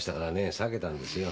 避けたんですよ。